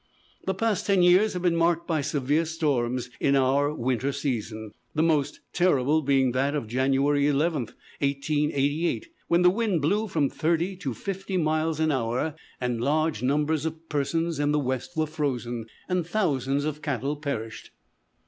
The past ten years have been marked by severe storms in our own winter season, the most terrible being that of January 11, 1888, when the wind blew from thirty to fifty miles an hour, and large numbers of persons in the west were frozen, and thousands of cattle perished.